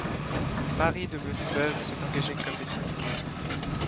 Marie devenue veuve s’est engagée comme médecin militaire.